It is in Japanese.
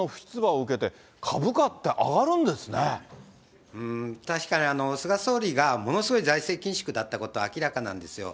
うーん、確かに菅総理がものすごい財政緊縮だったことは明らかなんですよ。